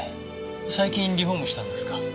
最近リフォームしたんですか？